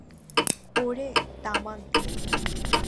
ওরে, তামাক দিয়ে যা।